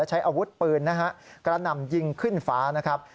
ก็ใช้อาวุธปืนนะครับการนำยิงขึ้นฟ้านะครับ